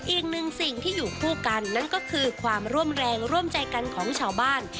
อีกหนึ่งสิ่งที่อยู่คู่กันนั่นก็คือความร่วมแรงร่วมใจกันของชาวบ้าน